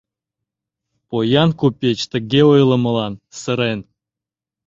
Поян купеч тыге ойлымылан сырен.